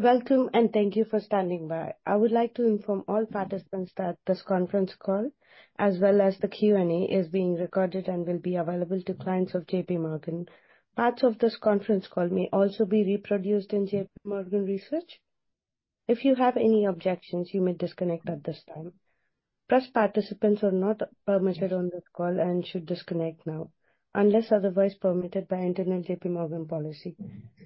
Welcome, and thank you for standing by. I would like to inform all participants that this conference call, as well as the Q&A, is being recorded and will be available to clients of J.P. Morgan. Parts of this conference call may also be reproduced in J.P. Morgan Research. If you have any objections, you may disconnect at this time. Press participants are not permitted on this call and should disconnect now, unless otherwise permitted by internal J.P. Morgan policy.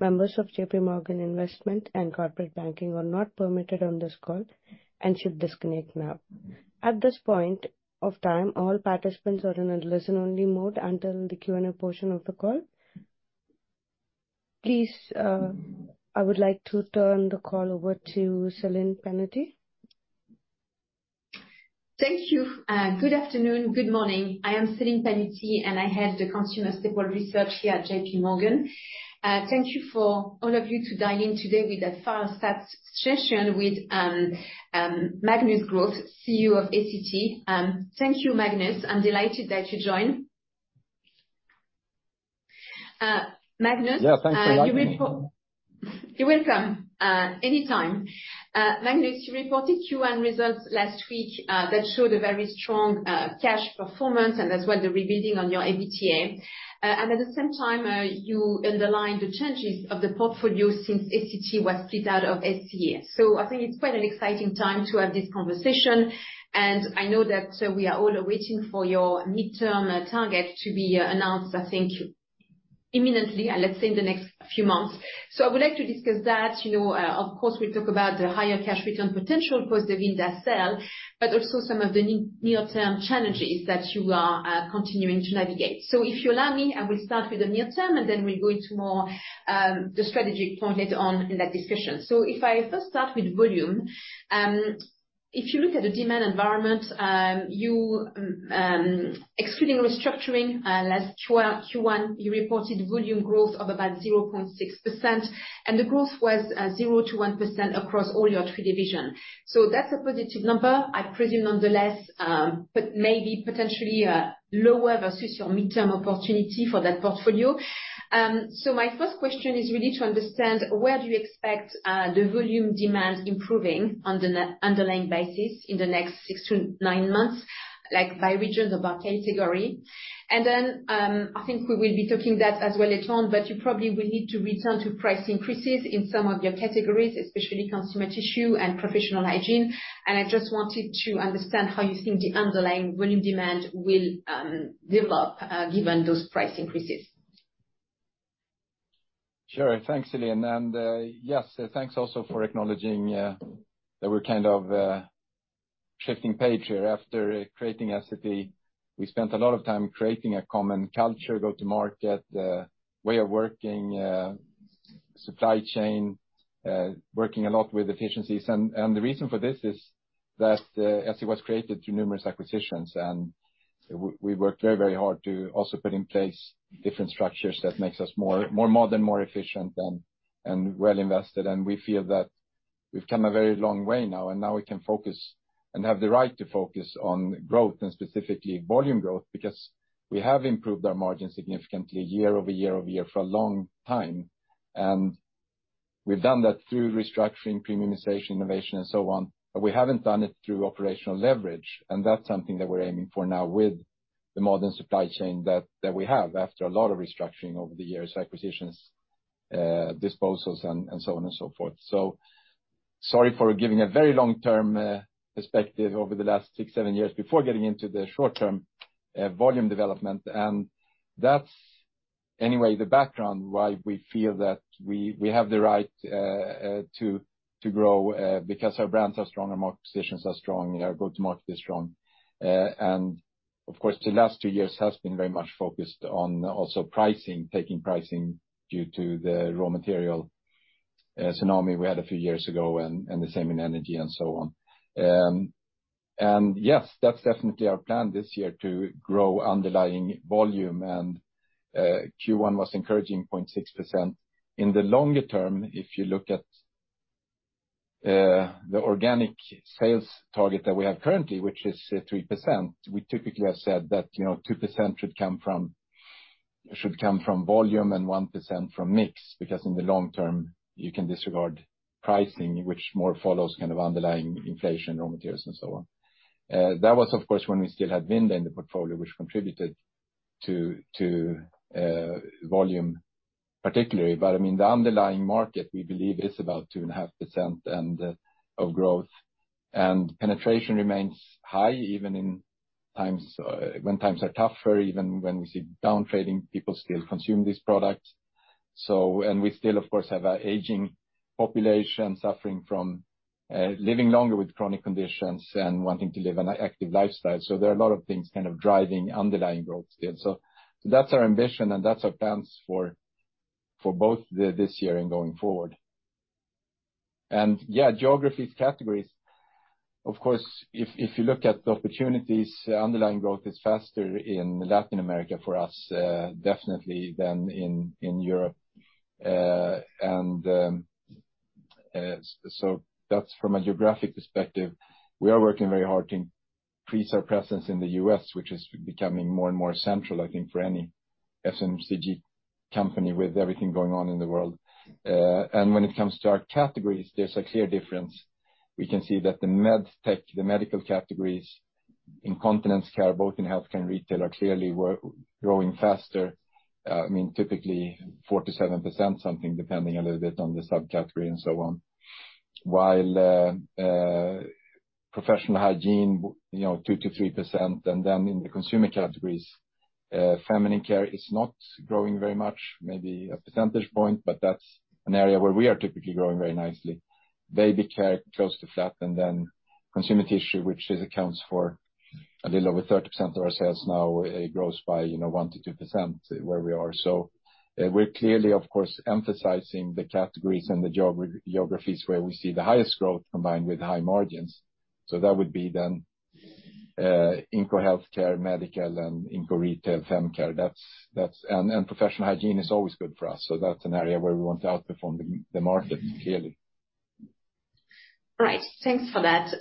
Members of J.P. Morgan Investment and Corporate Banking are not permitted on this call and should disconnect now. At this point of time, all participants are in a listen-only mode until the Q&A portion of the call. Please, I would like to turn the call over to Celine Pannuti. Thank you. Good afternoon, good morning. I am Celine Pannuti, and I head the Consumer Staples Research here at J.P. Morgan. Thank you for all of you to dial in today with a fireside chat session with, Magnus Groth, CEO of Essity. Thank you, Magnus. I'm delighted that you joined. Magnus- Yeah, thanks for inviting me. You're welcome, anytime. Magnus, you reported Q1 results last week that showed a very strong cash performance, and as well, the rebuilding on your EBITA. And at the same time, you underlined the changes of the portfolio since Essity was split out of SCA. So I think it's quite an exciting time to have this conversation, and I know that we are all waiting for your midterm target to be announced, I think, imminently, let's say in the next few months. So I would like to discuss that. You know, of course, we'll talk about the higher cash return potential post the Vinda sale, but also some of the near-term challenges that you are continuing to navigate. So if you allow me, I will start with the near term, and then we'll go into more, the strategy point later on in that discussion. So if I first start with volume, if you look at the demand environment, you excluding restructuring, last Q1, you reported volume growth of about 0.6%, and the growth was, 0%-1% across all your three divisions. So that's a positive number, I presume, nonetheless, but maybe potentially, lower versus your midterm opportunity for that portfolio. So my first question is really to understand where do you expect, the volume demand improving on the underlying basis in the next 6-9 months, like, by region or by category? Then, I think we will be talking that as well later on, but you probably will need to return to price increases in some of your categories, especially consumer tissue and professional hygiene. I just wanted to understand how you think the underlying volume demand will develop, given those price increases. Sure. Thanks, Celine. And, yes, thanks also for acknowledging, that we're kind of, shifting page here. After creating Essity, we spent a lot of time creating a common culture, go-to-market, way of working, supply chain, working a lot with efficiencies. And, and the reason for this is that, Essity was created through numerous acquisitions, and we worked very, very hard to also put in place different structures that makes us more, more modern, more efficient, and, and well invested. And we feel that we've come a very long way now, and now we can focus, and have the right to focus, on growth, and specifically volume growth, because we have improved our margins significantly year-over-year-over-year for a long time. And we've done that through restructuring, premiumization, innovation, and so on, but we haven't done it through operational leverage, and that's something that we're aiming for now with the modern supply chain that we have after a lot of restructuring over the years, acquisitions, disposals, and so on and so forth. So sorry for giving a very long-term perspective over the last six, seven years before getting into the short-term volume development. And that's anyway, the background why we feel that we have the right to grow because our brands are strong, our market positions are strong, our go-to-market is strong. Of course, the last two years has been very much focused on also pricing, taking pricing due to the raw material tsunami we had a few years ago, and the same in energy and so on. Yes, that's definitely our plan this year, to grow underlying volume, and Q1 was encouraging, 0.6%. In the longer term, if you look at the organic sales target that we have currently, which is 3%, we typically have said that, you know, 2% should come from, should come from volume and 1% from mix, because in the long term, you can disregard pricing, which more follows kind of underlying inflation, raw materials, and so on. That was, of course, when we still had Vinda in the portfolio, which contributed to volume particularly. But, I mean, the underlying market, we believe, is about 2.5% of growth. And penetration remains high, even in times, when times are tougher, even when we see downtrading, people still consume this product. So... and we still, of course, have an aging population suffering from, living longer with chronic conditions and wanting to live an active lifestyle. So there are a lot of things kind of driving underlying growth still. So, so that's our ambition, and that's our plans for, for both the, this year and going forward. And yeah, geography categories, of course, if, if you look at the opportunities, underlying growth is faster in Latin America for us, definitely than in, in Europe. And, so that's from a geographic perspective. We are working very hard in-... Increase our presence in the U.S., which is becoming more and more central, I think, for any FMCG company with everything going on in the world. And when it comes to our categories, there's a clear difference. We can see that the MedTech, the medical categories, incontinence care, both in health care and retail, are clearly growing faster, I mean, typically 4%-7%, something, depending a little bit on the subcategory and so on. While professional hygiene, you know, 2%-3%, and then in the consumer categories, feminine care is not growing very much, maybe a percentage point, but that's an area where we are typically growing very nicely. Baby care, close to flat, and then consumer tissue, which accounts for a little over 30% of our sales now, it grows by, you know, 1%-2% where we are. So, we're clearly, of course, emphasizing the categories and the geographies where we see the highest growth combined with high margins. So that would be then, Inco Healthcare, medical, and Inco Retail, fem care. That's... And professional hygiene is always good for us, so that's an area where we want to outperform the market, clearly. Right. Thanks for that.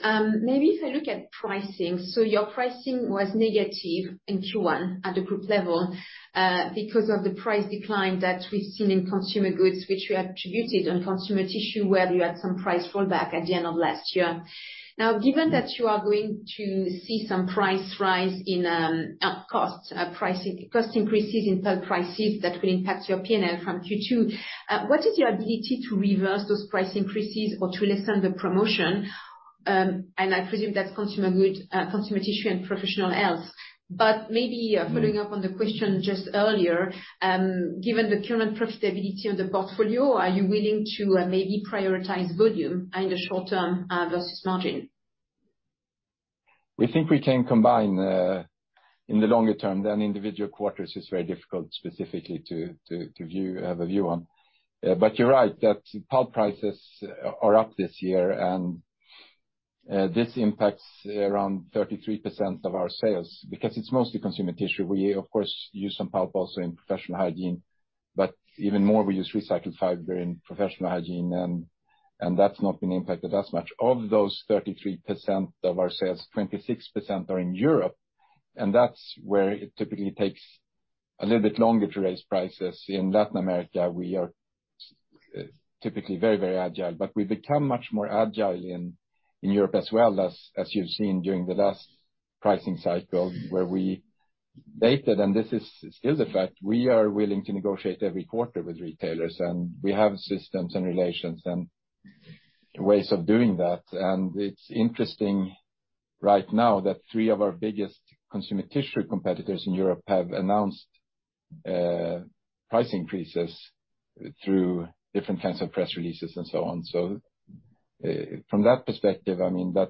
Maybe if I look at pricing, so your pricing was negative in Q1 at the group level, because of the price decline that we've seen in consumer goods, which we attributed on consumer tissue, where you had some price fallback at the end of last year. Now, given that you are going to see some price rise in costs, cost increases in pulp prices, that will impact your P&L from Q2, what is your ability to reverse those price increases or to lessen the promotion? And I presume that's consumer goods, consumer tissue and professional health. But maybe, following up on the question just earlier, given the current profitability of the portfolio, are you willing to maybe prioritize volume in the short term, versus margin? We think we can combine in the longer term than individual quarters is very difficult specifically to view have a view on. But you're right, that pulp prices are up this year, and this impacts around 33% of our sales, because it's mostly consumer tissue. We, of course, use some pulp also in professional hygiene, but even more, we use recycled fiber in professional hygiene, and that's not been impacted as much. Of those 33% of our sales, 26% are in Europe, and that's where it typically takes a little bit longer to raise prices. In Latin America, we are typically very, very agile, but we've become much more agile in, in Europe as well, as, as you've seen during the last pricing cycle, where we stated, and this is still the fact, we are willing to negotiate every quarter with retailers, and we have systems and relations and ways of doing that. And it's interesting right now that three of our biggest consumer tissue competitors in Europe have announced price increases through different kinds of press releases and so on. So, from that perspective, I mean, that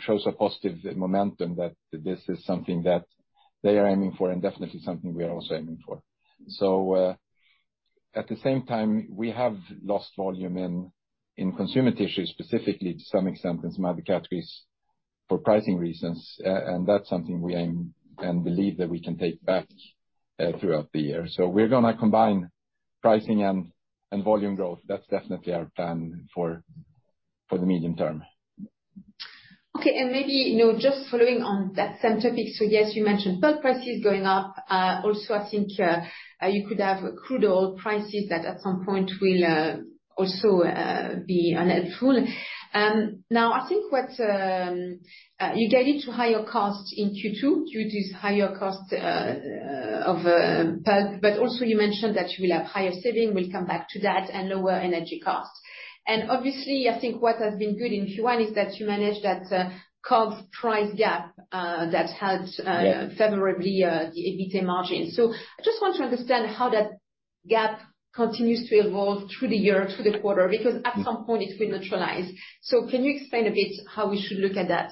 shows a positive momentum that this is something that they are aiming for and definitely something we are also aiming for. So, at the same time, we have lost volume in consumer tissue, specifically, to some extent, in some other categories, for pricing reasons, and that's something we aim and believe that we can take back throughout the year. So we're gonna combine pricing and volume growth. That's definitely our plan for the medium term. Okay. And maybe, you know, just following on that same topic, so yes, you mentioned pulp prices going up. Also, I think you could have crude oil prices that at some point will also be unhelpful. Now, I think what you get into higher costs in Q2 due to this higher cost of pulp, but also you mentioned that you will have higher savings. We'll come back to that, and lower energy costs. And obviously, I think what has been good in Q1 is that you managed that COGS price gap that helped- Yeah... favorably, the EBITA margin. So I just want to understand how that gap continues to evolve through the year, through the quarter, because at some point it will neutralize. So can you explain a bit how we should look at that?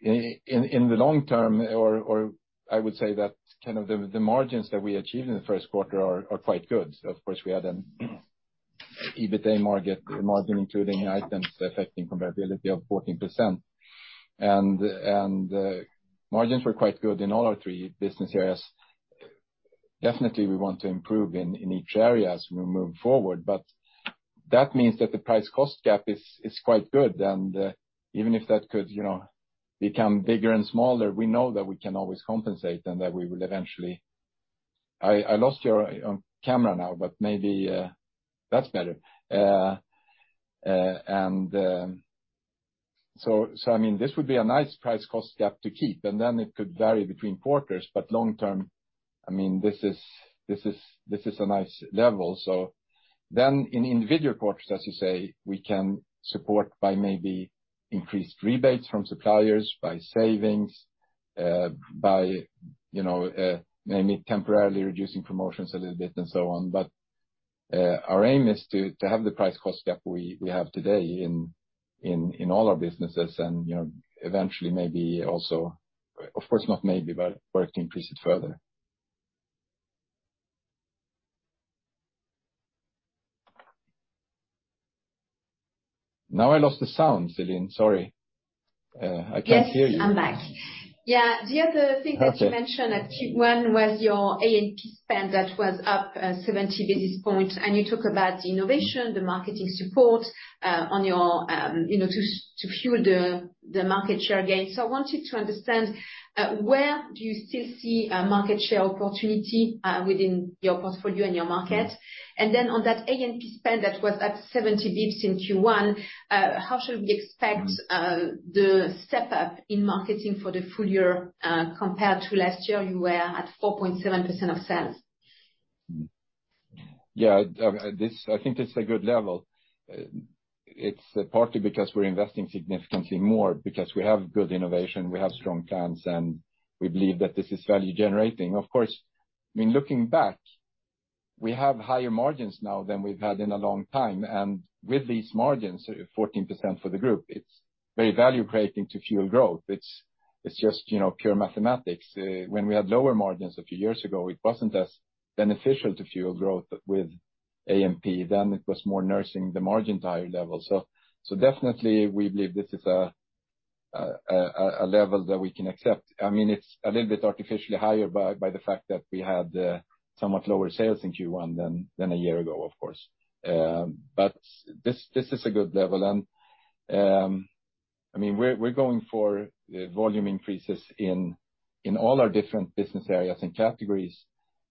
In the long term, or I would say that kind of the margins that we achieved in the first quarter are quite good. Of course, we had an EBITA margin including items affecting comparability of 14%. And margins were quite good in all our three business areas. Definitely, we want to improve in each area as we move forward, but that means that the price-cost gap is quite good. And even if that could, you know, become bigger and smaller, we know that we can always compensate and that we will eventually... I lost your camera now, but maybe... That's better. I mean, this would be a nice price-cost gap to keep, and then it could vary between quarters, but long term, I mean, this is a nice level. So then in individual quarters, as you say, we can support by maybe increased rebates from suppliers, by savings, by you know, maybe temporarily reducing promotions a little bit, and so on. But our aim is to have the price-cost gap we have today in all our businesses, and you know, eventually maybe also, of course, not maybe, but work to increase it further. Now I lost the sound, Celine. Sorry. I can't hear you. Yes, I'm back. Yeah, the other thing that you mentioned- Perfect. at Q1 was your A&P spend, that was up 70 basis points, and you talk about innovation, the marketing support, on your, you know, to fuel the market share gain. So I wanted to understand, where do you still see a market share opportunity, within your portfolio and your market? And then on that A&P spend that was at 70 basis points in Q1, how should we expect the step up in marketing for the full year, compared to last year, you were at 4.7% of sales? Yeah, I think it's a good level. It's partly because we're investing significantly more, because we have good innovation, we have strong plans, and we believe that this is value generating. Of course, I mean, looking back, we have higher margins now than we've had in a long time, and with these margins, 14% for the group, it's very value creating to fuel growth. It's just, you know, pure mathematics. When we had lower margins a few years ago, it wasn't as beneficial to fuel growth with A&P, then it was more nursing the margin to higher levels. So definitely we believe this is a level that we can accept. I mean, it's a little bit artificially higher by the fact that we had somewhat lower sales in Q1 than a year ago, of course. But this is a good level, and I mean, we're going for volume increases in all our different business areas and categories.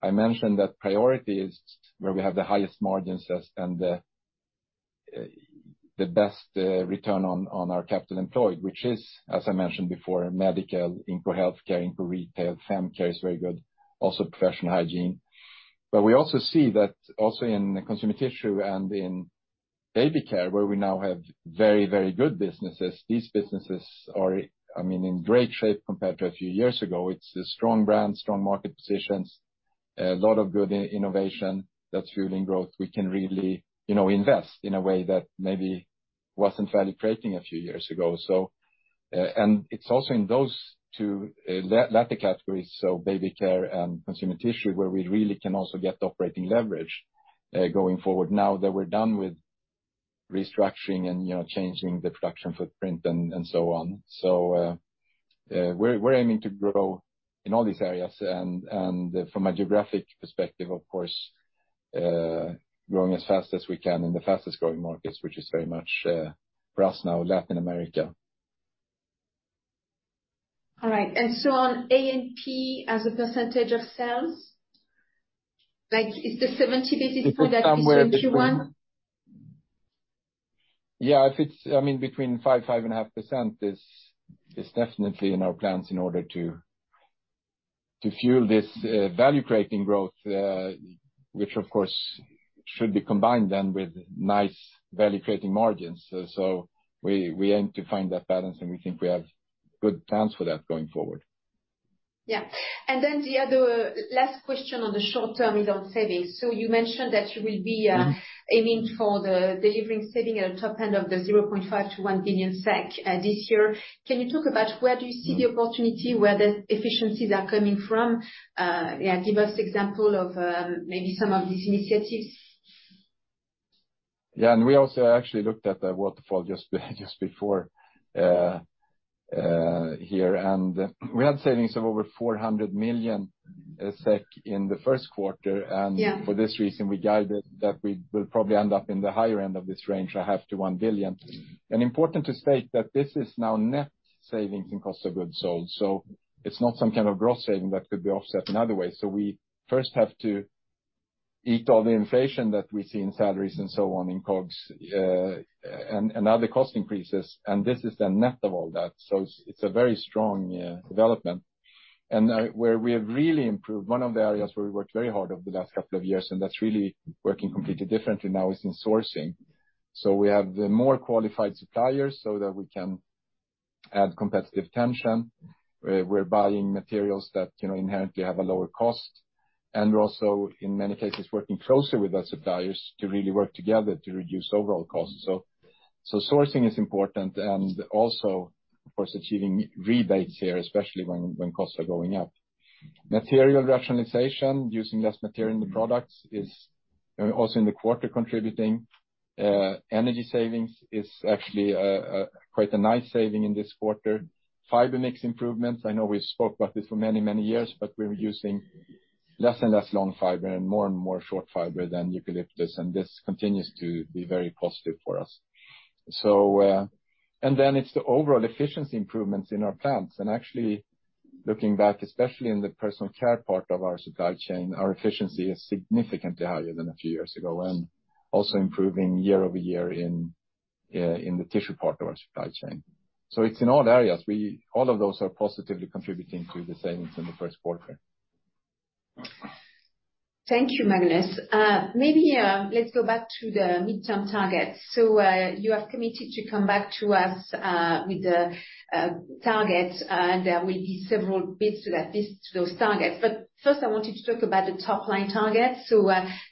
I mentioned that priority is where we have the highest margins and the best return on our capital employed, which is, as I mentioned before, Medical, Inco Healthcare, Inco Retail, Fem Care is very good, also Professional Hygiene. But we also see that also in Consumer Tissue and in Baby Care, where we now have very, very good businesses. These businesses are, I mean, in great shape compared to a few years ago. It's a strong brand, strong market positions, a lot of good innovation that's fueling growth. We can really, you know, invest in a way that maybe wasn't value creating a few years ago. So, and it's also in those two latter categories, so baby care and consumer tissue, where we really can also get operating leverage going forward now that we're done with restructuring and, you know, changing the production footprint and so on. So, we're aiming to grow in all these areas, and from a geographic perspective, of course, growing as fast as we can in the fastest growing markets, which is very much for us now, Latin America. All right. And so on A&P, as a percentage of sales, like, is the 70 basis point that we see in Q1? Yeah, if it's... I mean, between 5 and 5.5% is definitely in our plans in order to fuel this value-creating growth, which of course should be combined then with nice value-creating margins. So we aim to find that balance, and we think we have good plans for that going forward. Yeah. And then the other last question on the short term is on savings. So you mentioned that you will be aiming for the delivering saving at the top end of the 0.5 billion-1 billion SEK this year. Can you talk about where do you see the opportunity, where the efficiencies are coming from? Yeah, give us example of maybe some of these initiatives. Yeah, and we also actually looked at the waterfall just before here. And we had savings of over 400 million SEK in the first quarter. Yeah. And for this reason, we guided that we will probably end up in the higher end of this range, 0.5 billion-1 billion. And important to state that this is now net savings in cost of goods sold, so it's not some kind of gross saving that could be offset in other ways. So we first have to eat all the inflation that we see in salaries and so on in COGS, and other cost increases, and this is the net of all that, so it's a very strong development. And where we have really improved, one of the areas where we worked very hard over the last couple of years, and that's really working completely differently now, is in sourcing. So we have the more qualified suppliers so that we can add competitive tension. We're buying materials that, you know, inherently have a lower cost. And we're also, in many cases, working closer with our suppliers to really work together to reduce overall costs. So sourcing is important, and also, of course, achieving rebates here, especially when costs are going up. Material rationalization, using less material in the products, is also in the quarter contributing. Energy savings is actually quite a nice saving in this quarter. Fiber mix improvements, I know we've spoke about this for many, many years, but we're using less and less long fiber and more and more short fiber than eucalyptus, and this continues to be very positive for us. And then it's the overall efficiency improvements in our plants. Actually, looking back, especially in the personal care part of our supply chain, our efficiency is significantly higher than a few years ago, and also improving year-over-year in the tissue part of our supply chain. So it's in all areas. We all of those are positively contributing to the savings in the first quarter. Thank you, Magnus. Maybe let's go back to the midterm targets. So, you have committed to come back to us with the targets, and there will be several bits to that, bits to those targets. But first, I wanted to talk about the top line targets. So,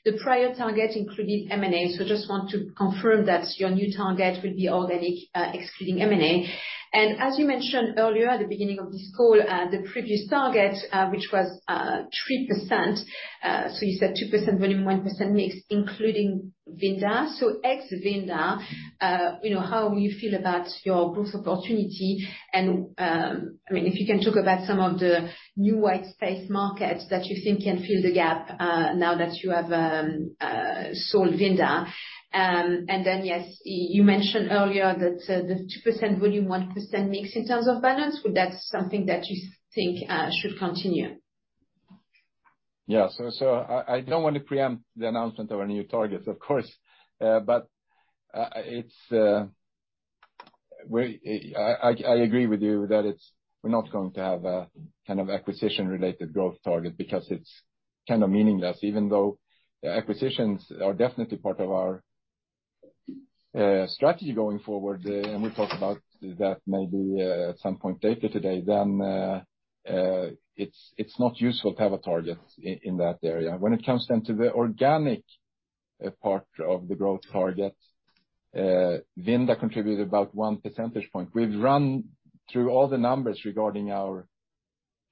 the prior target included M&A, so just want to confirm that your new target will be organic, excluding M&A. And as you mentioned earlier at the beginning of this call, the previous target, which was 3%, so you said 2% volume, 1% mix, including Vinda. So ex Vinda, you know, how you feel about your growth opportunity? I mean, if you can talk about some of the new white space markets that you think can fill the gap, now that you have sold Vinda. Then, yes, you mentioned earlier that the 2% volume, 1% mix in terms of balance, would that's something that you think should continue? Yeah, I don't want to preempt the announcement of our new targets, of course. It's, we- I agree with you that it's-- we're not going to have a kind of acquisition-related growth target because it's kind of meaningless, even though acquisitions are definitely part of our strategy going forward. We'll talk about that maybe at some point later today, then, it's not useful to have a target in that area. When it comes down to the organic part of the growth target, Vinda contributed about 1 percentage point. We've run through all the numbers regarding our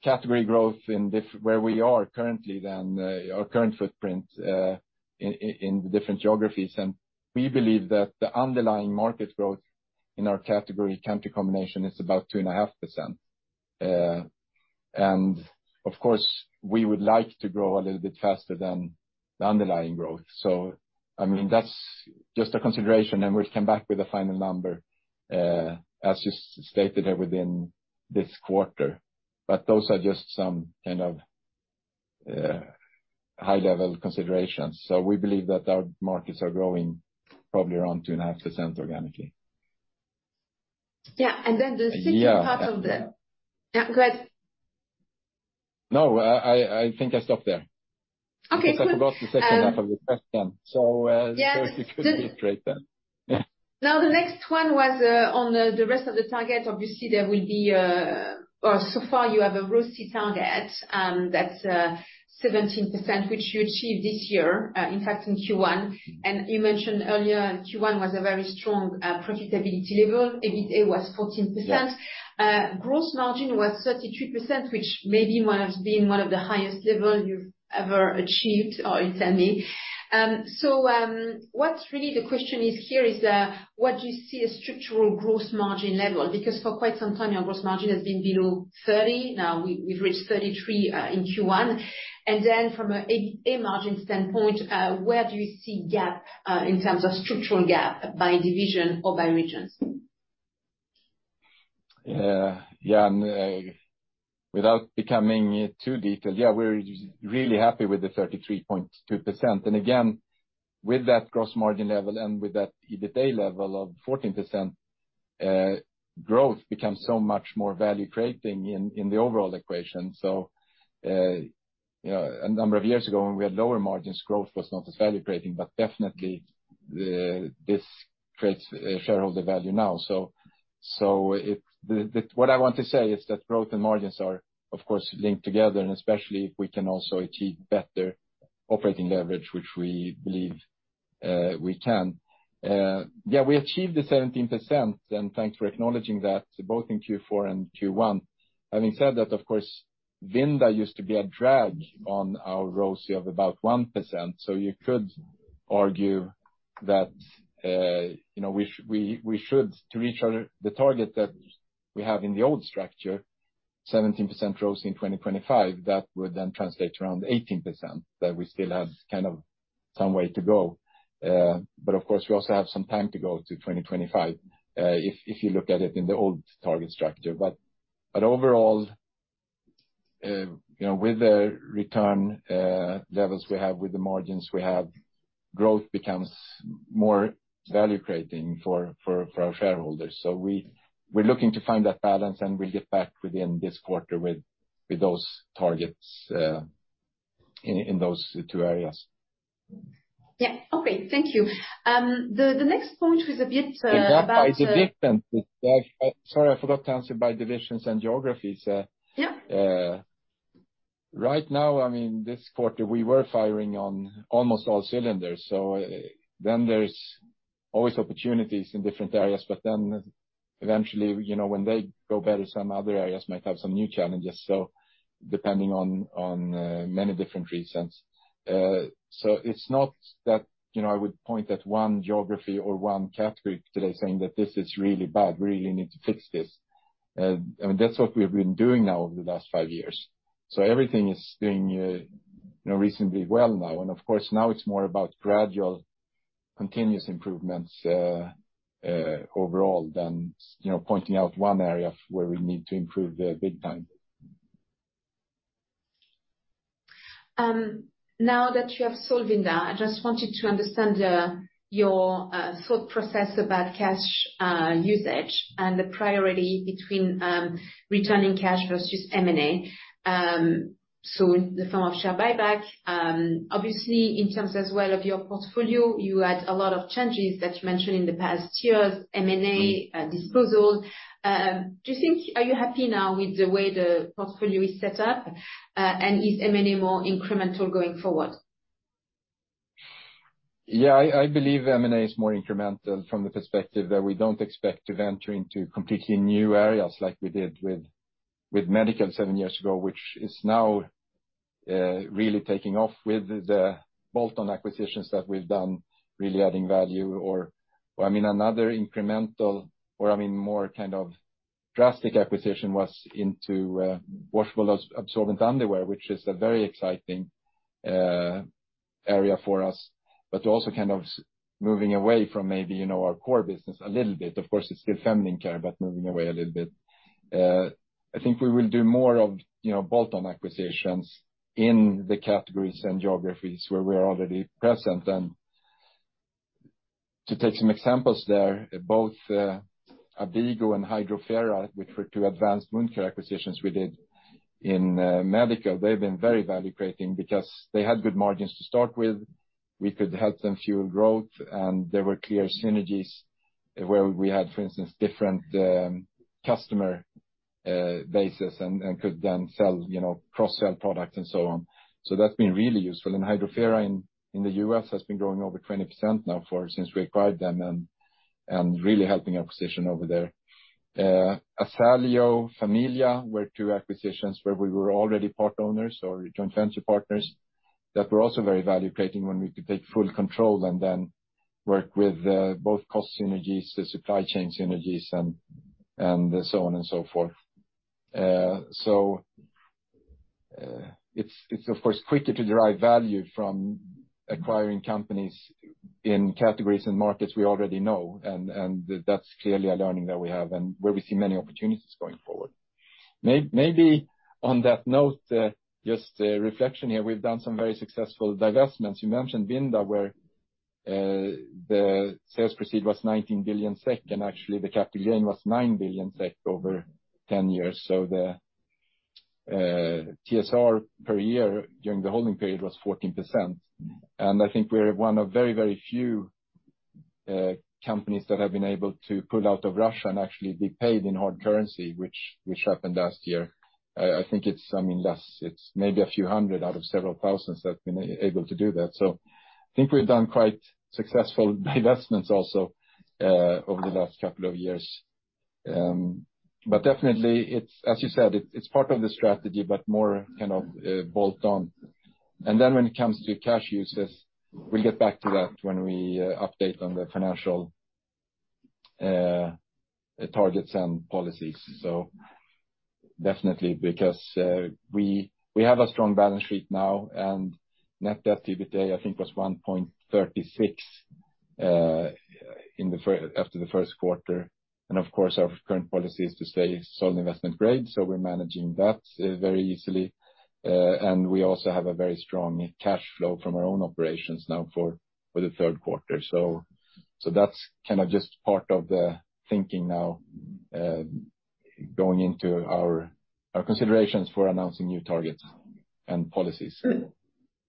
category growth in diff- where we are currently than our current footprint, in the different geographies. We believe that the underlying market growth in our category, country combination is about 2.5%. And of course, we would like to grow a little bit faster than the underlying growth. So I mean, that's just a consideration, and we'll come back with a final number, as just stated, within this quarter. But those are just some kind of high-level considerations. So we believe that our markets are growing probably around 2.5% organically. Yeah, and then the second part of the- Yeah. Yeah, go ahead. No, I think I stopped there. Okay, good. Because I forgot the second half of the question. So, Yeah If you could reiterate that. Yeah. Now, the next one was on the rest of the target. Obviously, there will be or so far, you have a ROCE target that's 17%, which you achieved this year, in fact, in Q1. And you mentioned earlier, Q1 was a very strong profitability level. EBITA was 14%. Yeah. Gross margin was 33%, which maybe might have been one of the highest level you've ever achieved, or it's ending. What's really the question is here is, what do you see a structural gross margin level? Because for quite some time, your gross margin has been below 30. Now we, we've reached 33, in Q1. And then from a EBITA margin standpoint, where do you see gap, in terms of structural gap by division or by regions? Yeah, and without becoming too detailed, yeah, we're really happy with the 33.2%. And again, with that gross margin level and with that EBITA level of 14%, growth becomes so much more value-creating in the overall equation. So, you know, a number of years ago, when we had lower margins, growth was not as value-creating, but definitely, this creates shareholder value now. So, it's what I want to say is that growth and margins are, of course, linked together, and especially if we can also achieve better operating leverage, which we believe we can. Yeah, we achieved the 17%, and thanks for acknowledging that, both in Q4 and Q1. Having said that, of course, Vinda used to be a drag on our ROCE of about 1%, so you could argue that, you know, we should, to reach our, the target that we have in the old structure, 17% ROCE in 2025, that would then translate to around 18%, that we still have kind of some way to go. But of course, we also have some time to go to 2025, if you look at it in the old target structure. But overall, you know, with the return levels we have, with the margins we have, growth becomes more value-creating for our shareholders. So we're looking to find that balance, and we'll get back within this quarter with those targets in those two areas. Yeah. Okay, thank you. The next point was a bit about- Yeah, it's a different... sorry, I forgot to answer by divisions and geographies. Yeah. Right now, I mean, this quarter, we were firing on almost all cylinders, so then there's always opportunities in different areas. But then eventually, you know, when they go better, some other areas might have some new challenges, so depending on, on, many different reasons. So it's not that, you know, I would point at one geography or one category today saying that this is really bad, we really need to fix this. I mean, that's what we've been doing now over the last five years. So everything is doing, you know, reasonably well now. And of course, now it's more about gradual, continuous improvements, overall than, you know, pointing out one area where we need to improve, big time. Now that you have sold Vinda, I just wanted to understand your thought process about cash usage and the priority between returning cash versus M&A, so in the form of share buyback. Obviously, in terms as well of your portfolio, you had a lot of changes that you mentioned in the past years, M&A, disposals. Do you think... Are you happy now with the way the portfolio is set up? And is M&A more incremental going forward? Yeah, I believe M&A is more incremental from the perspective that we don't expect to venture into completely new areas like we did with medical seven years ago, which is now really taking off with the bolt-on acquisitions that we've done, really adding value. Or, I mean, more kind of drastic acquisition was into washable absorbent underwear, which is a very exciting area for us, but also kind of moving away from maybe, you know, our core business a little bit. Of course, it's still feminine care, but moving away a little bit. I think we will do more of, you know, bolt-on acquisitions in the categories and geographies where we are already present. And to take some examples there, both Abigo and Hydrofera, which were two advanced wound care acquisitions we did in medical, they've been very value-creating because they had good margins to start with, we could help them fuel growth, and there were clear synergies where we had, for instance, different customer basis and could then sell, you know, cross-sell products and so on. So that's been really useful. And Hydrofera in the U.S. has been growing over 20% now for since we acquired them, and really helping our position over there. Asaleo, Familia, were two acquisitions where we were already part owners or joint venture partners, that were also very value-creating when we could take full control and then work with both cost synergies, the supply chain synergies, and so on and so forth. So, it's of course quicker to derive value from acquiring companies in categories and markets we already know, and that's clearly a learning that we have and where we see many opportunities going forward. Maybe on that note, just a reflection here, we've done some very successful divestments. You mentioned Vinda, where the sales proceeds was 19 billion SEK, and actually the capital gain was 9 billion SEK over 10 years. So the TSR per year during the holding period was 14%. And I think we're one of very, very few companies that have been able to pull out of Russia and actually be paid in hard currency, which happened last year. I think it's, I mean, that's, it's maybe a few hundred out of several thousands that have been able to do that. So I think we've done quite successful divestments also over the last couple of years. But definitely, it's, as you said, it's part of the strategy, but more kind of bolt on. And then when it comes to cash uses, we'll get back to that when we update on the financial targets and policies. So definitely, because we have a strong balance sheet now, and net debt/EBITDA, I think, was 1.36 after the first quarter. And of course, our current policy is to stay solid investment grade, so we're managing that very easily. And we also have a very strong cash flow from our own operations now for the third quarter. So that's kind of just part of the thinking now, going into our considerations for announcing new targets and policies.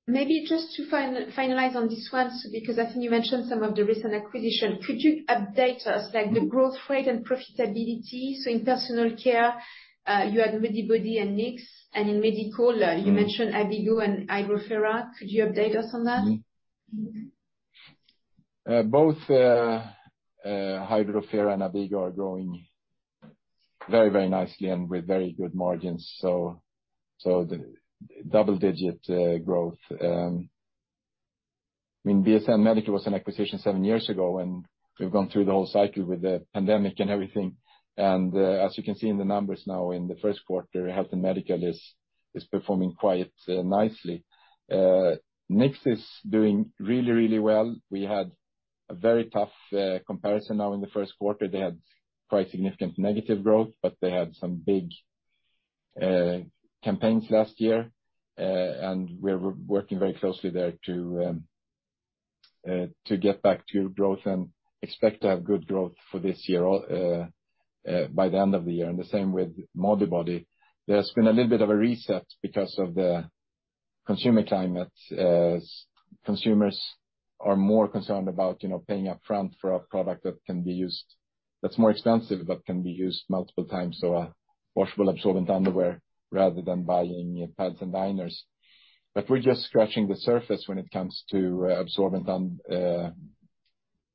Mm. Maybe just to finalize on this one, because I think you mentioned some of the recent acquisition. Could you update us, like, the growth rate and profitability? So in personal care, you had Modibodi and Knix, and in medical, you mentioned Abigo and Hydrofera. Could you update us on that? Both Hydrofera and Abigo are growing very, very nicely and with very good margins, so the double digit growth. I mean, BSN Medical was an acquisition seven years ago, and we've gone through the whole cycle with the pandemic and everything. And as you can see in the numbers now in the first quarter, Health and Medical is performing quite nicely. Knix is doing really, really well. We had a very tough comparison now in the first quarter. They had quite significant negative growth, but they had some big campaigns last year. And we're working very closely there to get back to growth and expect to have good growth for this year, all by the end of the year, and the same with Modibodi. There's been a little bit of a reset because of the consumer climate, as consumers are more concerned about, you know, paying upfront for a product that can be used—that's more expensive, but can be used multiple times, so a washable, absorbent underwear, rather than buying pads and liners. But we're just scratching the surface when it comes to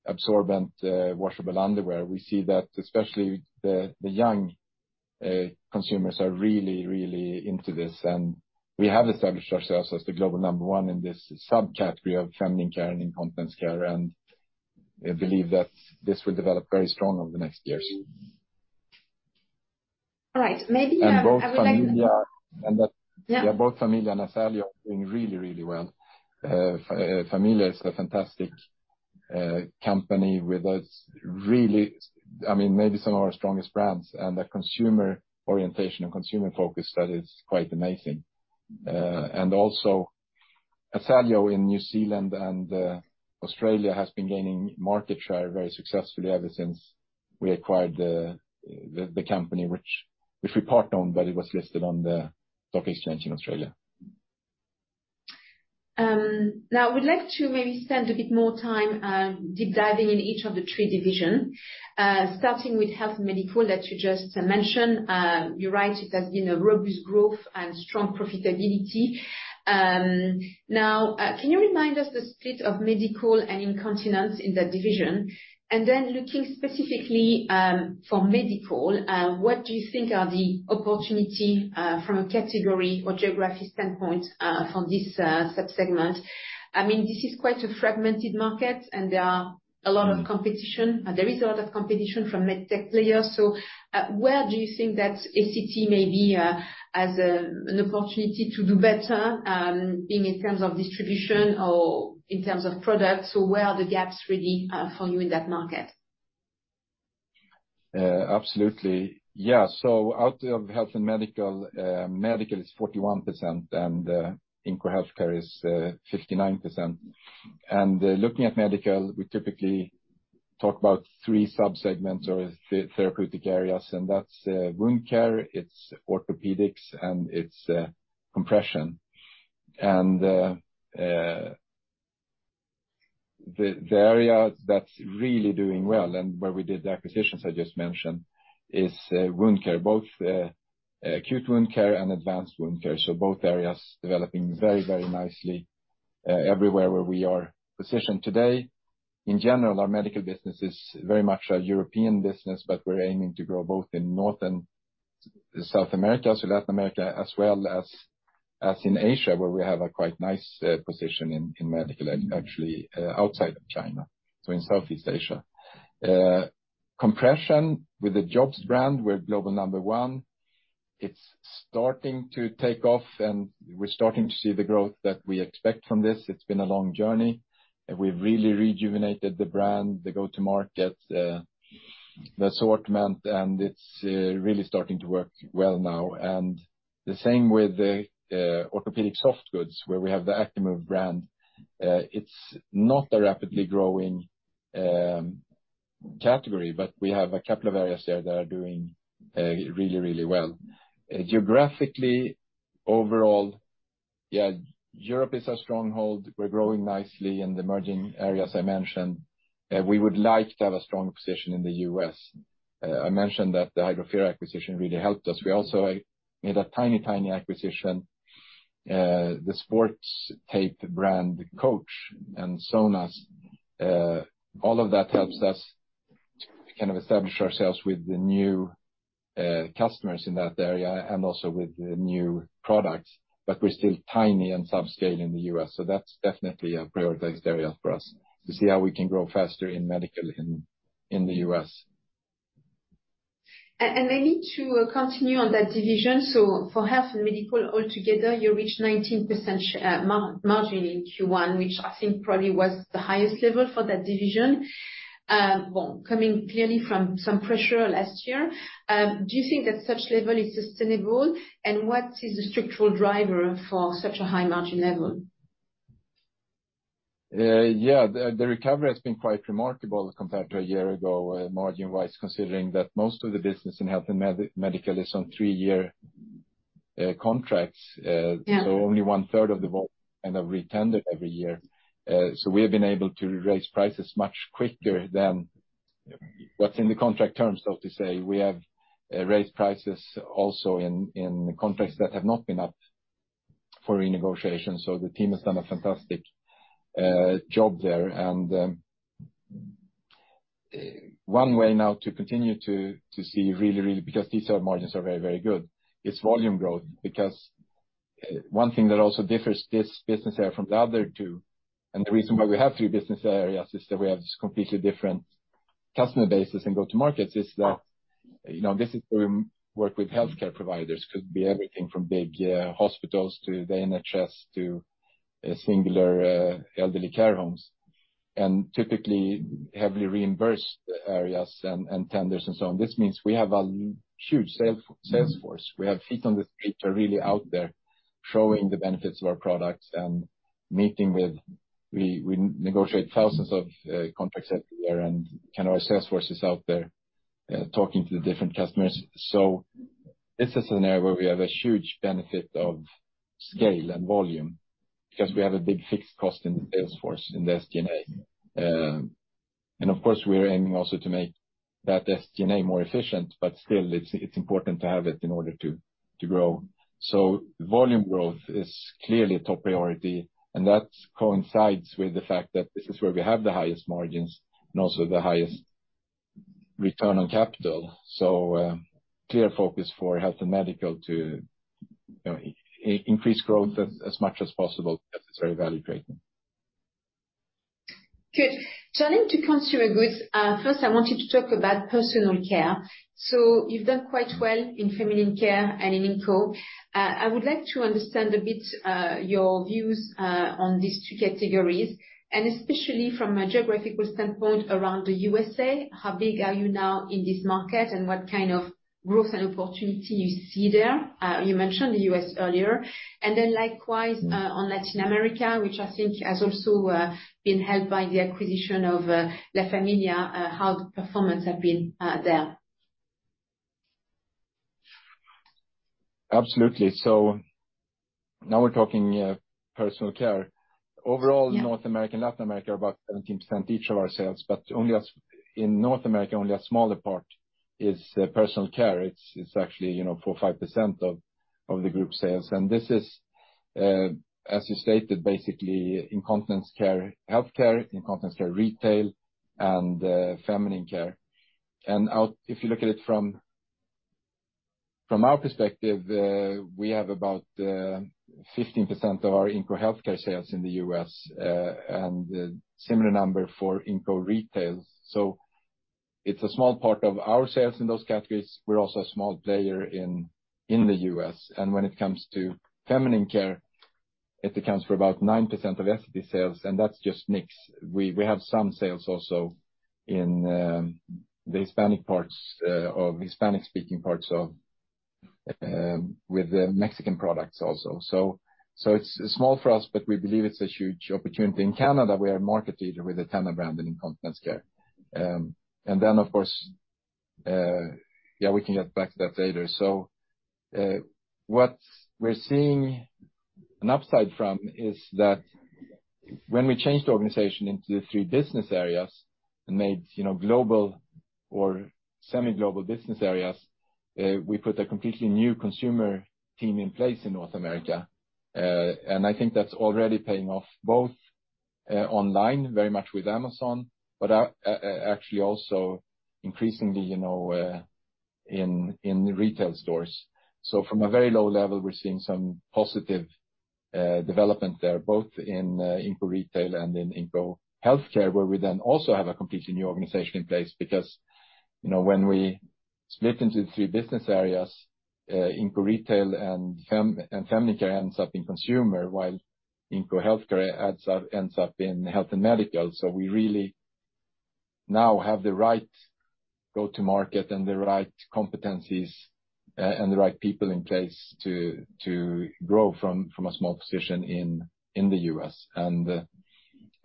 absorbent washable underwear. We see that especially the young consumers are really, really into this. And we have established ourselves as the global number one in this subcategory of feminine care and incontinence care, and I believe that this will develop very strong over the next years. All right. Maybe I would like- And both Familia and Yeah. Yeah, both Familia and Asaleo are doing really, really well. Familia is a fantastic company with a really... I mean, maybe some of our strongest brands, and a consumer orientation and consumer focus that is quite amazing. And also, Asaleo in New Zealand and Australia has been gaining market share very successfully ever since we acquired the company, which we part own, but it was listed on the stock exchange in Australia. Now I would like to maybe spend a bit more time, deep diving in each of the three division. Starting with Health and Medical that you just mentioned. You're right, it has been a robust growth and strong profitability. Now, can you remind us the split of medical and incontinence in that division? And then looking specifically, for medical, what do you think are the opportunity, from a category or geography standpoint, from this, sub-segment? I mean, this is quite a fragmented market, and there are a lot of competition, there is a lot of competition from MedTech players. So, where do you think that ACT may be, as a, an opportunity to do better, in terms of distribution or in terms of products? So where are the gaps really, for you in that market?... Absolutely. Yeah, so out of Health and Medical, medical is 41%, and Inco Healthcare is 59%. Looking at medical, we typically talk about three sub-segments or therapeutic areas, and that's wound care, it's orthopedics, and it's compression. The area that's really doing well, and where we did the acquisitions I just mentioned, is wound care, both acute wound care and advanced wound care. So both areas developing very, very nicely, everywhere where we are positioned today. In general, our medical business is very much a European business, but we're aiming to grow both in North and South America, so Latin America, as well as in Asia, where we have a quite nice position in medical and actually outside of China, so in Southeast Asia. Compression with the JOBST brand, we're global number one. It's starting to take off, and we're starting to see the growth that we expect from this. It's been a long journey, and we've really rejuvenated the brand, the go-to-market, the assortment, and it's really starting to work well now. And the same with the orthopedic soft goods, where we have the Actimove brand. It's not a rapidly growing category, but we have a couple of areas there that are doing really, really well. Geographically, overall, yeah, Europe is our stronghold. We're growing nicely in the emerging areas I mentioned, and we would like to have a strong position in the U.S. I mentioned that the Hydrofera acquisition really helped us. We also made a tiny, tiny acquisition, the sports tape brand, Coach and Zonas. All of that helps us to kind of establish ourselves with the new customers in that area and also with the new products, but we're still tiny and subscale in the U.S., so that's definitely a prioritized area for us to see how we can grow faster in medical in the U.S. I need to continue on that division. For health and medical altogether, you reached 19% margin in Q1, which I think probably was the highest level for that division. Coming clearly from some pressure last year, do you think that such level is sustainable, and what is the structural driver for such a high margin level? Yeah, the recovery has been quite remarkable compared to a year ago, margin-wise, considering that most of the business in health and medical is on three-year contracts. Yeah. So only one-third of the volume end up retendered every year. So we have been able to raise prices much quicker than what's in the contract terms, so to say. We have raised prices also in contracts that have not been up for renegotiation, so the team has done a fantastic job there. And one way now to continue to see really, really... because these margins are very, very good, it's volume growth. Because one thing that also differs this business area from the other two, and the reason why we have three business areas, is that we have just completely different customer bases and go-to-markets, is that, you know, this is where we work with healthcare providers. Could be everything from big hospitals to the NHS to singular elderly care homes, and typically heavily reimbursed areas and tenders and so on. This means we have a huge sales force. We have feet on the street really out there showing the benefits of our products and meeting with, we negotiate thousands of contracts every year, and kind of our sales force is out there talking to the different customers. So this is an area where we have a huge benefit of scale and volume, because we have a big fixed cost in the sales force, in the SG&A. And, of course, we are aiming also to make that SG&A more efficient, but still it's important to have it in order to grow. So volume growth is clearly a top priority, and that coincides with the fact that this is where we have the highest margins and also the highest return on capital. So, clear focus for health and medical to, you know, increase growth as much as possible, as it's very value creating. Good. Turning to consumer goods, first, I wanted to talk about personal care. So you've done quite well in feminine care and in Inco. I would like to understand a bit, your views, on these two categories, and especially from a geographical standpoint around the U.S.A. How big are you now in this market, and what kind of growth and opportunity you see there? You mentioned the U.S. earlier. And then likewise, on Latin America, which I think has also, been helped by the acquisition of, Grupo Familia, how the performance have been, there. Absolutely. So now we're talking, personal care. Yeah. Overall, North America and Latin America are about 17% each of our sales, but only in North America, only a smaller part is personal care. It's actually, you know, 4%-5% of the group sales, and this is, as you stated, basically incontinence care, healthcare, incontinence care, retail, and feminine care. If you look at it from our perspective, we have about 15% of our Inco Healthcare sales in the U.S., and a similar number for Inco Retail. So it's a small part of our sales in those categories. We're also a small player in the U.S., and when it comes to feminine care, it accounts for about 9% of SP sales, and that's just mix. We have some sales also in the Hispanic parts of Hispanic-speaking parts of with the Mexican products also. So it's small for us, but we believe it's a huge opportunity. In Canada, we are a market leader with the TENA brand in incontinence care. And then, of course, yeah, we can get back to that later. So what we're seeing an upside from is that when we changed the organization into the three business areas and made, you know, global or semi-global business areas, we put a completely new consumer team in place in North America. And I think that's already paying off both online, very much with Amazon, but actually also increasingly, you know, in retail stores. So from a very low level, we're seeing some positive development there, both in Inco Retail and in Inco Healthcare, where we then also have a completely new organization in place. Because, you know, when we split into three business areas, Inco Retail and Feminine Care ends up in Consumer, while Inco Healthcare ends up in Health and Medical. So we really now have the right go-to market and the right competencies, and the right people in place to grow from a small position in the U.S. And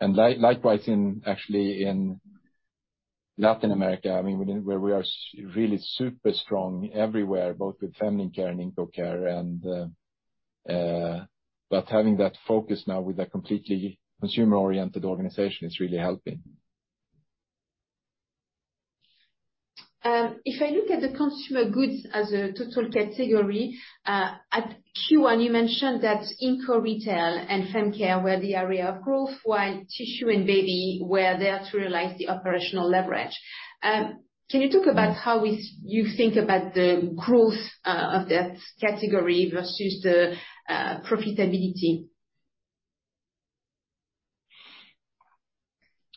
likewise in actually in Latin America, I mean, where we are really super strong everywhere, both with Feminine Care and Inco Care. But having that focus now with a completely consumer-oriented organization is really helping. If I look at the consumer goods as a total category, at Q1, you mentioned that Inco Retail and Fem Care were the area of growth, while Tissue and Baby were there to realize the operational leverage. Can you talk about how you think about the growth of that category versus the profitability?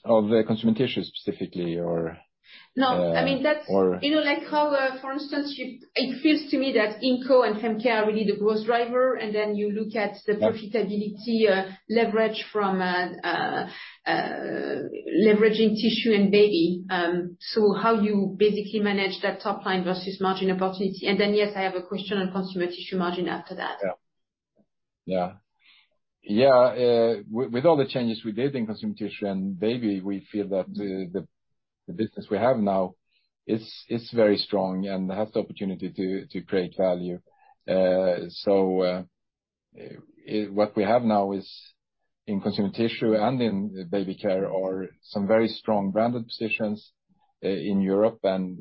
Of the consumer tissue, specifically, or- No, I mean, that's- Or- You know, like how, for instance, it feels to me that Inco and Fem Care are really the growth driver, and then you look at the- Yeah... profitability, leverage from leveraging Tissue and Baby. So how you basically manage that top line versus margin opportunity? And then, yes, I have a question on consumer tissue margin after that. Yeah. Yeah. Yeah, with all the changes we did in consumer tissue and Baby, we feel that the business we have now is very strong and has the opportunity to create value. So, what we have now is, in consumer tissue and in baby care, are some very strong branded positions in Europe and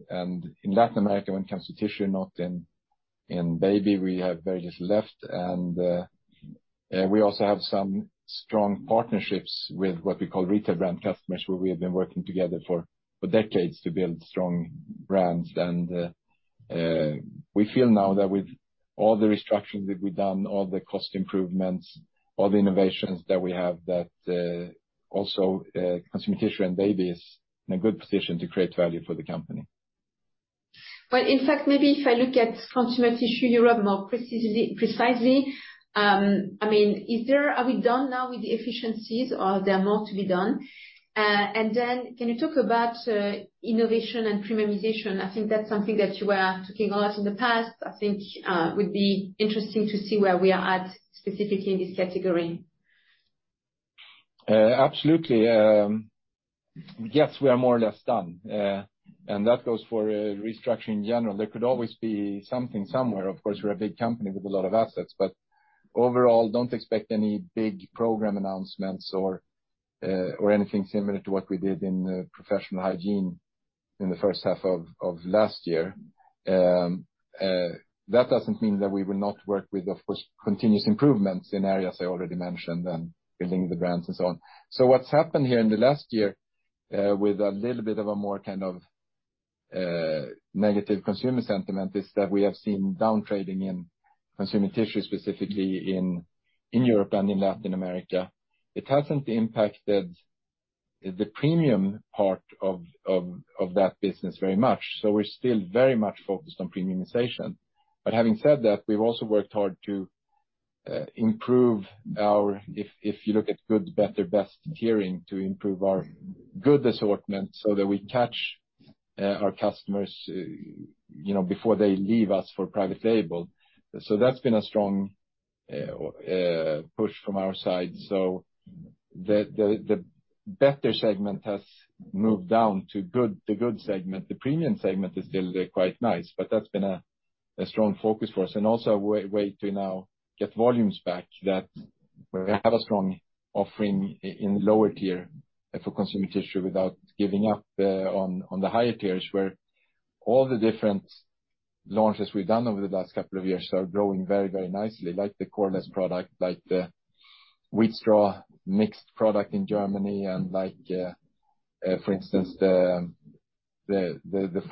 in Latin America, when consumer tissue, not in Baby, we have various left. And we also have some strong partnerships with what we call retail brand customers, where we have been working together for decades to build strong brands. And we feel now that with all the restructures that we've done, all the cost improvements, all the innovations that we have, that also consumer tissue and Baby is in a good position to create value for the company. In fact, maybe if I look at consumer tissue Europe more precisely, I mean, are we done now with the efficiencies or there are more to be done? And then can you talk about innovation and premiumization? I think that's something that you were talking a lot in the past, I think, would be interesting to see where we are at specifically in this category. Absolutely. Yes, we are more or less done, and that goes for restructuring in general. There could always be something somewhere. Of course, we're a big company with a lot of assets, but overall, don't expect any big program announcements or anything similar to what we did in the professional hygiene in the first half of last year. That doesn't mean that we will not work with, of course, continuous improvements in areas I already mentioned, and building the brands and so on. So what's happened here in the last year, with a little bit of a more kind of negative consumer sentiment, is that we have seen downtrading in consumer tissue, specifically in Europe and in Latin America. It hasn't impacted the premium part of that business very much, so we're still very much focused on premiumization. But having said that, we've also worked hard to improve our... If you look at good, better, best tiering to improve our good assortment so that we catch our customers, you know, before they leave us for private label. So that's been a strong push from our side. So the better segment has moved down to good, the good segment. The premium segment is still quite nice, but that's been a strong focus for us and also a way to now get volumes back, that we have a strong offering in lower tier for consumer tissue without giving up on the higher tiers, where all the different launches we've done over the last couple of years are growing very, very nicely, like the coreless product, like the wheat straw mixed product in Germany, and like, for instance, the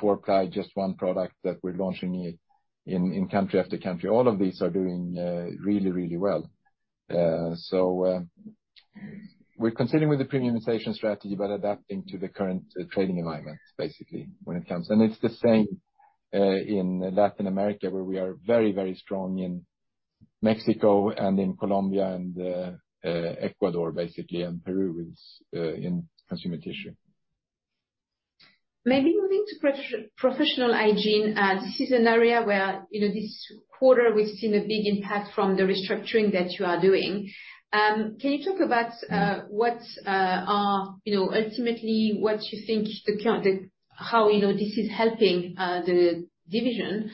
four-ply Just1 product that we're launching in country after country. All of these are doing really, really well. So, we're continuing with the premiumization strategy, but adapting to the current trading environment, basically, when it comes. And it's the same in Latin America, where we are very, very strong in Mexico and in Colombia, and Ecuador, basically, and Peru is in consumer tissue. Maybe moving to professional hygiene. This is an area where, you know, this quarter, we've seen a big impact from the restructuring that you are doing. Can you talk about what, you know, ultimately, what you think the current, the... How, you know, this is helping the division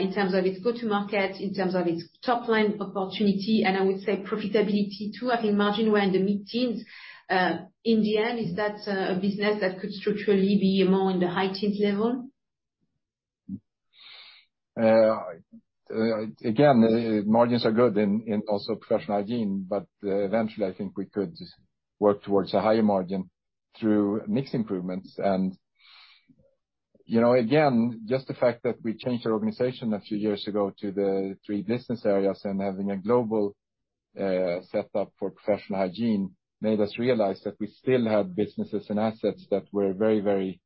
in terms of its go-to-market, in terms of its top line opportunity, and I would say profitability, too? I think margins were in the mid-teens. In the end, is that a business that could structurally be more in the high-teens level? Again, margins are good in also professional hygiene, but eventually I think we could work towards a higher margin through mix improvements. And, you know, again, just the fact that we changed our organization a few years ago to the three business areas and having a global setup for professional hygiene made us realize that we still had businesses and assets that were very, very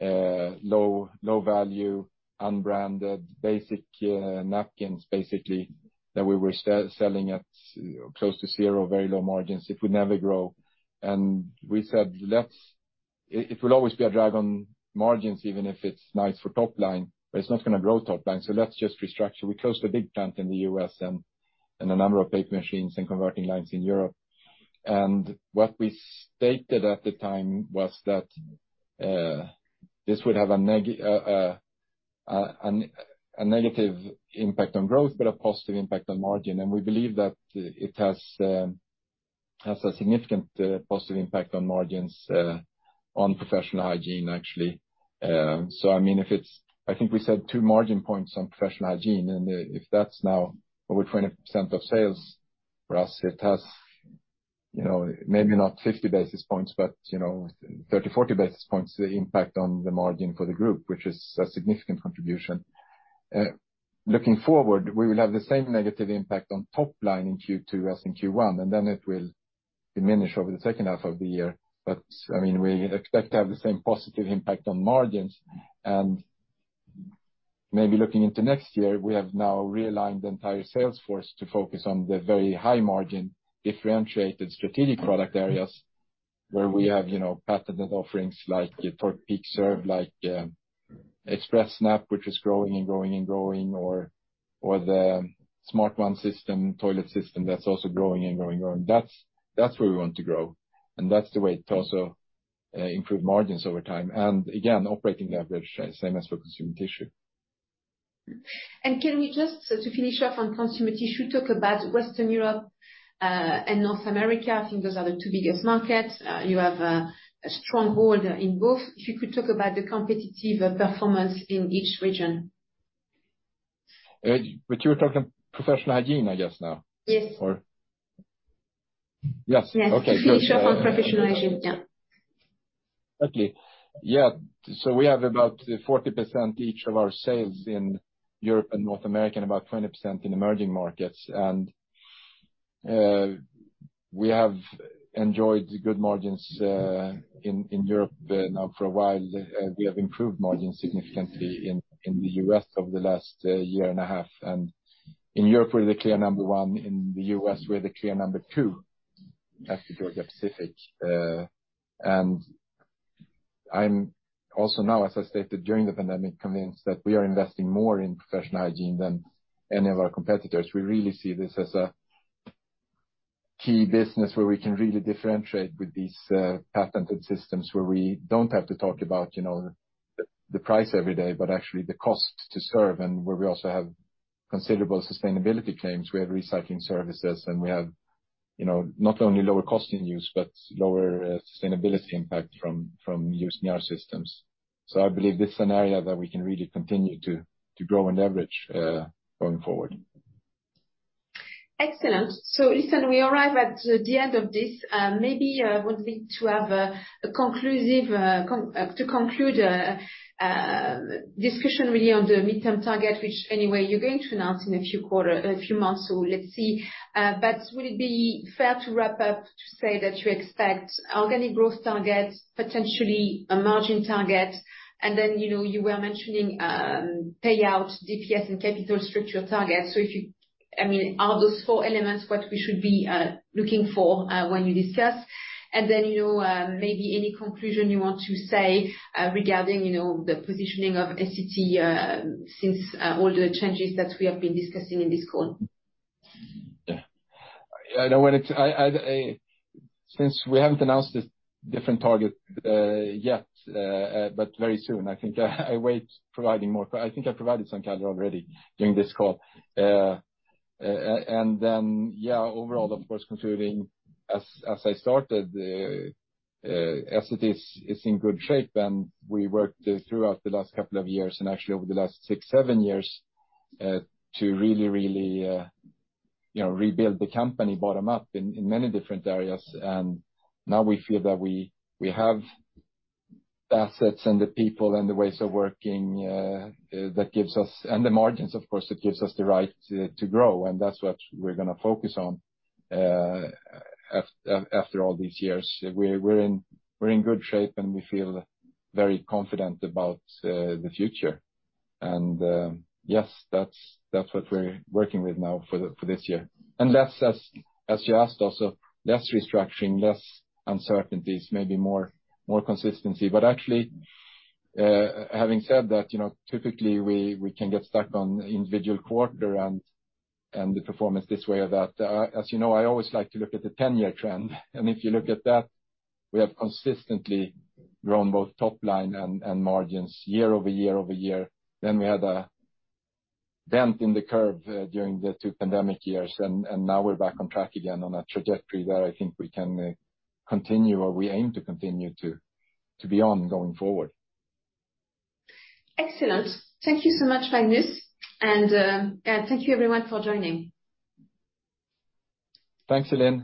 low, low value, unbranded, basic napkins, basically, that we were selling at close to zero, very low margins. It would never grow. And we said, "Let's. It will always be a drag on margins, even if it's nice for top line, but it's not gonna grow top line, so let's just restructure." We closed a big plant in the U.S. and a number of paper machines and converting lines in Europe. And what we stated at the time was that this would have a negative impact on growth, but a positive impact on margin. And we believe that it has a significant positive impact on margins on professional hygiene, actually. So I mean, if it's... I think we said 2 margin points on professional hygiene, and if that's now over 20% of sales for us, it has, you know, maybe not 50 basis points, but, you know, 30, 40 basis points impact on the margin for the group, which is a significant contribution. Looking forward, we will have the same negative impact on top line in Q2 as in Q1, and then it will diminish over the second half of the year. But, I mean, we expect to have the same positive impact on margins. And maybe looking into next year, we have now realigned the entire sales force to focus on the very high margin, differentiated, strategic product areas, where we have, you know, patented offerings, like for PeakServe, like, Xpressnap, which is growing and growing and growing, or the SmartOne system, toilet system, that's also growing and growing and growing. That's, that's where we want to grow, and that's the way to also, improve margins over time. And again, operating leverage, same as for consumer tissue. Can we just, to finish off on consumer tissue, talk about Western Europe and North America? I think those are the two biggest markets. You have a strong hold in both. If you could talk about the competitive performance in each region. But you were talking professional hygiene, I guess, now? Yes. Or... Yes. Yes. Okay. Finish off on professional hygiene, yeah. Okay. Yeah. So we have about 40% each of our sales in Europe and North America, and about 20% in emerging markets. And we have enjoyed good margins in Europe now for a while. We have improved margins significantly in the U.S. over the last year and a half. And in Europe, we're the clear number one. In the U.S., we're the clear number two, after Georgia-Pacific. And I'm also now, as I stated during the pandemic, convinced that we are investing more in professional hygiene than any of our competitors. We really see this as a key business where we can really differentiate with these patented systems, where we don't have to talk about, you know, the price every day, but actually the cost to serve, and where we also have considerable sustainability claims. We have recycling services, and we have, you know, not only lower cost in use, but lower sustainability impact from using our systems. So I believe this is an area that we can really continue to grow and leverage, going forward. Excellent. So listen, we arrive at the end of this. Maybe would like to have a conclusive to conclude discussion really on the midterm target, which anyway, you're going to announce in a few quarter, a few months, so let's see. But would it be fair to wrap up to say that you expect organic growth targets, potentially a margin target, and then, you know, you were mentioning payout, DPS, and capital structure targets. So if you... I mean, are those four elements what we should be looking for when you discuss? And then, you know, maybe any conclusion you want to say regarding, you know, the positioning of Essity since all the changes that we have been discussing in this call? Yeah. I know when it's, since we haven't announced a different target yet, but very soon, I think I wait providing more, but I think I provided some clarity already during this call. And then, yeah, overall, of course, concluding, as I started, SCA is in good shape, and we worked throughout the last couple of years, and actually over the last six, seven years to really, you know, rebuild the company bottom up in many different areas. And now we feel that we have the assets and the people and the ways of working that gives us- and the margins, of course, that gives us the right to grow, and that's what we're gonna focus on after all these years. We're in good shape, and we feel very confident about the future. And yes, that's what we're working with now for this year. And less, as you asked, also less restructuring, less uncertainties, maybe more consistency. But actually, having said that, you know, typically we can get stuck on individual quarter and the performance this way or that. As you know, I always like to look at the 10-year trend, and if you look at that, we have consistently grown both top line and margins year-over-year. Then we had a dent in the curve during the two pandemic years, and now we're back on track again on a trajectory where I think we can continue, or we aim to continue to be on going forward. Excellent. Thank you so much, Magnus, and, and thank you everyone for joining. Thanks, Celine.